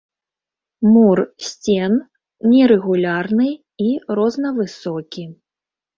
Мур сцен нерэгулярны і рознавысокі.